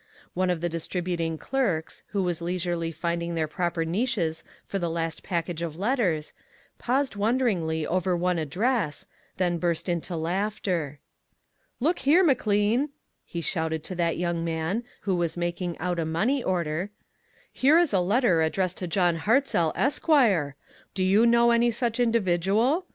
One of the distributing clerks, who was leisurely find ing their proper niches for the last package of letters, paused wonderingly over one ad dress, then burst into laughter :" Look here, McLean," he shouted to that young man, who was making out a money order, ' 'here is a letter addressed to John Hartzell, Esq. Do you know any such in dividual?